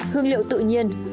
hương liệu tự nhiên